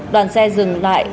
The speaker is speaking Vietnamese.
đoàn xe dừng lại